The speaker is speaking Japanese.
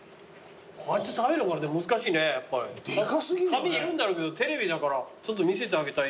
紙いるんだろうけどテレビだから見せてあげたい。